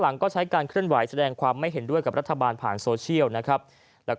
หลังก็ใช้การเคลื่อนไหวแสดงความไม่เห็นด้วยกับรัฐบาลผ่านโซเชียลนะครับแล้วก็